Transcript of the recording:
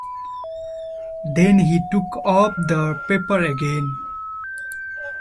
Then he took up the paper again.